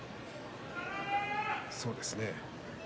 そうですね。